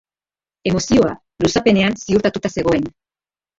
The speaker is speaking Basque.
Emozioa luzapenean ziurtatuta zegoen.